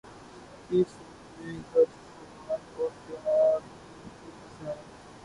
کی فوج میں گھرسوار اور پیادے تھے حسین